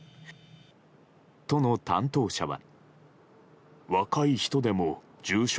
都の担当者は。